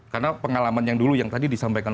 karena pengalaman yang dulu yang tadi disampaikan